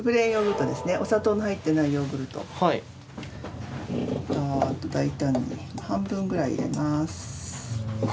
ダーッと大胆に半分くらい入れます。